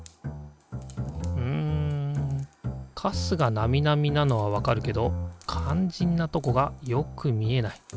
うんカスがナミナミなのはわかるけどかんじんなとこがよく見えない。